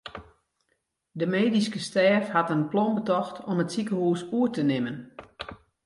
De medyske stêf hat in plan betocht om it sikehús oer te nimmen.